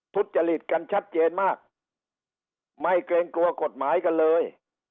ทุจริตกันชัดเจนมากไม่เกรงกลัวกฎหมายกันเลย